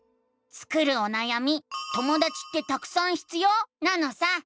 スクるおなやみ「ともだちってたくさん必要？」なのさ！